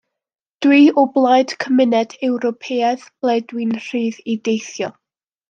Dw i o blaid Cymuned Ewropeaidd ble dw i'n rhydd i deithio.